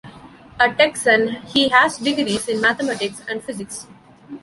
A Texan, he has degrees in mathematics and physics.